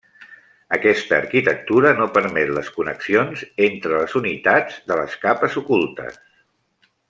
Aquesta arquitectura no permet les connexions entre les unitats de les capes ocultes.